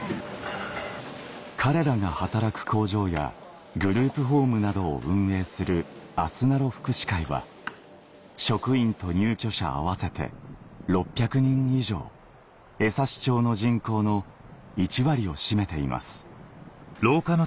彼らが働く工場やグループホームなどを運営するあすなろ福祉会は職員と入居者合わせて６００人以上江差町の人口の１割を占めています